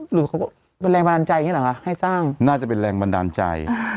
หรือเขาเป็นแรงบันดาลใจอย่างนี้เหรอคะให้สร้างน่าจะเป็นแรงบันดาลใจ